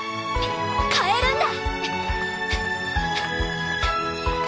変えるんだ！